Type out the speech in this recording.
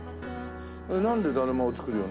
なんでだるまを作るように。